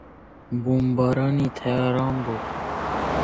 بۆمبارانی تەیاران بوو.